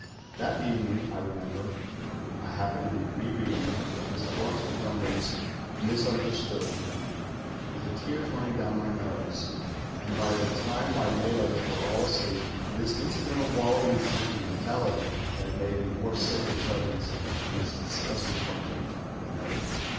That evening, I remember, I happened to be rereading Miss Florence Montgomery's "Misimder stood" with ihc tears running down my nose; and THE GHOUL 127 by the time my Malays were all asleep, this incidental wallowing in sentimentalit\' had made me more sick with Juggins and his disgusting project than ever.